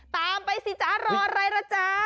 ไปสิจ๊ะรออะไรล่ะจ๊ะ